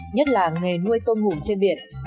nhất là nghề nuôi tôm hùm trên biển